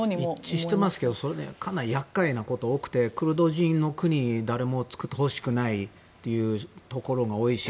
一致してますがかなり厄介なことが多くてクルド人の国を誰も欲しくないというところが多いし。